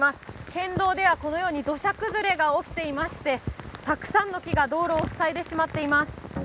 県道ではこのように土砂崩れが起きていましてたくさんの木が道路を塞いでしまっています。